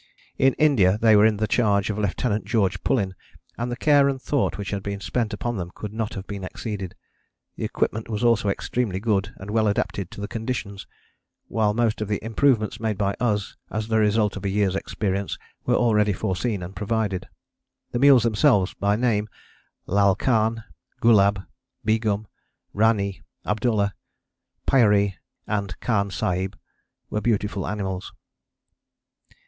In India they were in the charge of Lieutenant George Pulleyn, and the care and thought which had been spent upon them could not have been exceeded: the equipment was also extremely good and well adapted to the conditions, while most of the improvements made by us as the result of a year's experience were already foreseen and provided. The mules themselves, by name Lal Khan, Gulab, Begum, Ranee, Abdullah, Pyaree and Khan Sahib, were beautiful animals.